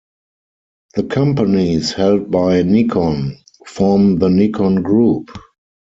The companies held by Nikon form the Nikon Group.